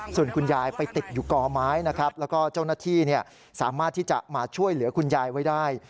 ส่วนคุณยายไปติดอยู่กอไม้นะครับแล้วก็เจ้าหน้าที่สามารถที่จะมาช่วยเหลือคุณยายไว้ได้